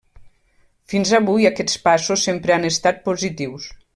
Fins avui aquests passos sempre han estat positius.